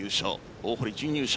大堀、準優勝。